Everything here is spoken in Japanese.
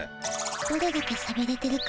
どれだけさびれてるか